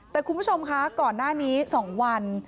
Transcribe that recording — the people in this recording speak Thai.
แต่คุณผู้ชมคะก่อนหน้านี้๒วัน